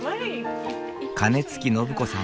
金築伸子さん。